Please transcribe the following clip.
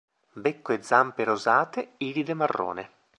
Becco e zampe rosate, iride marrone.